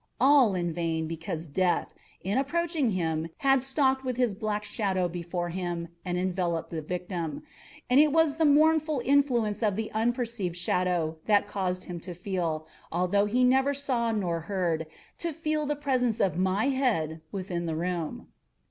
All in vain; because Death, in approaching him had stalked with his black shadow before him, and enveloped the victim. And it was the mournful influence of the unperceived shadow that caused him to feel—although he neither saw nor heard—to feel the presence of my head within the room.